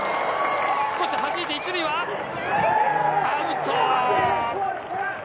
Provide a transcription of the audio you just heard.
少しはじいて、１塁は、アウト。